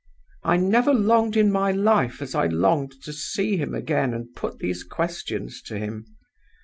"I never longed in my life as I longed to see him again and put these questions to him.